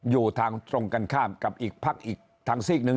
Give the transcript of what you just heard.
อยู่ทางตรงกันข้ามกับอีกพักอีกทางซีกหนึ่ง